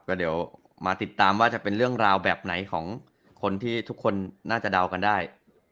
ก็เดี๋ยวมาติดตามว่าจะเป็นเรื่องราวแบบไหนของคนที่ทุกคนน่าจะเดากันได้